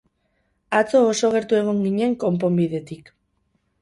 Atzo oso gertu egon ginen konponbidetik.